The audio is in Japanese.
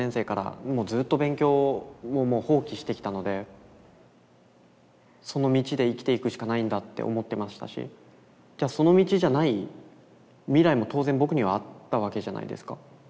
僕も当然その道で生きていくしかないんだって思ってましたしその道じゃない未来も当然僕にはあったわけじゃないですか。